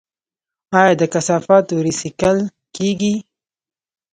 آیا د کثافاتو ریسایکل کیږي؟